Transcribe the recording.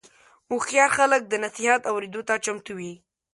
هوښیار خلک د نصیحت اورېدو ته چمتو وي.